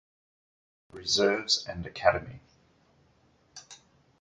Reserves and Academy.